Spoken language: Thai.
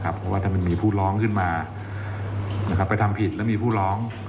เพราะว่าถ้ามันมีผู้ร้องขึ้นมาไปทำผิดแล้วมีผู้ร้อง